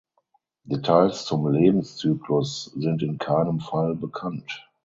Details zum Lebenszyklus sind in keinem Fall bekannt.